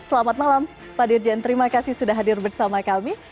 selamat malam pak dirjen terima kasih sudah hadir bersama kami